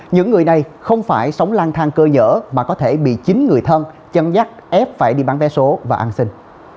những người này không phải sống lang thang cơ nhở mà có thể bị chín người thân chân nhắc ép phải đi bán vé số và ăn sinh